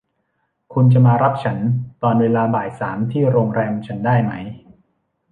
คุณจะมารับฉันตอนเวลาบ่ายสามที่โรงแรมฉันได้ไหม